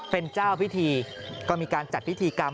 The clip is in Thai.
เป็นเจ้าพิธีก็มีการจัดพิธีกรรม